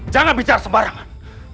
jangan bicara sembarangan